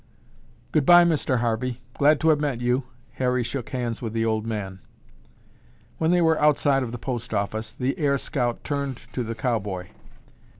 "Goodbye, Mr. Harvey. Glad to have met you." Harry shook hands with the old man. When they were outside the post office, the air scout turned to the cowboy.